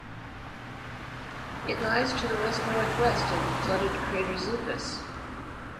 It lies to the west-northwest of the flooded crater Zupus.